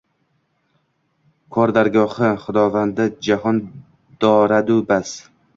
Kor dargohi Xudovandi jahon doradu bas.